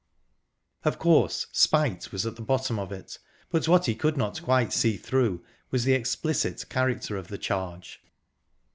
Of course, spite was at the bottom of it. But what he could not quite see through was the explicit character of the charge.